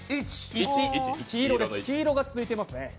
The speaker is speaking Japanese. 黄色が続いてますね。